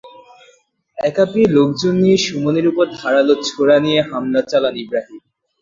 একা পেয়ে লোকজন নিয়ে সুমনের ওপর ধারালো ছোরা নিয়ে হামলা চালান ইব্রাহিম।